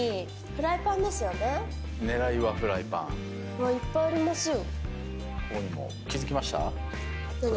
うわっいっぱいありますよ。